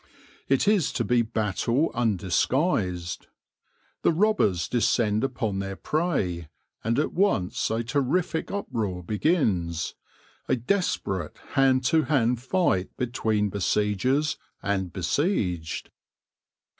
It is to be battle undisguised. The robbers descend upon their prey, and at once a terrific uproar begins, a desperate hand to hand fight between besiegers and besieged.